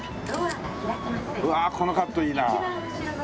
うわこのカットいいなあ。